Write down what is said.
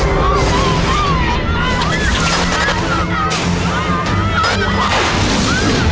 อายร้อน